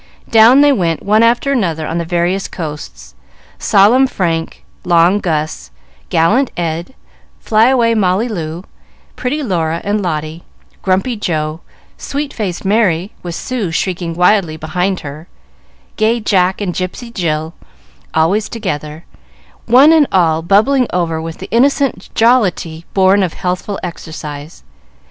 Down they went, one after another, on the various coasts, solemn Frank, long Gus, gallant Ed, fly away Molly Loo, pretty Laura and Lotty, grumpy Joe, sweet faced Merry with Sue shrieking wildly behind her, gay Jack and gypsy Jill, always together, one and all bubbling over with the innocent jollity born of healthful exercise.